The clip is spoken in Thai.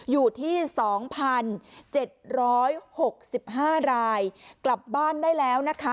อยู่ที่๒๗๖๕รายกลับบ้านได้แล้วนะคะ